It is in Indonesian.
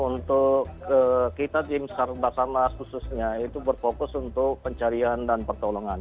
untuk kita di mekar basar mas khususnya itu berfokus untuk pencarian dan pertolongan